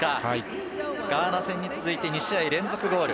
ガーナ戦に続いて２試合連続ゴール。